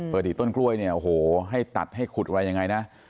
อดีตต้นกล้วยเนี่ยโอ้โหให้ตัดให้ขุดอะไรยังไงนะ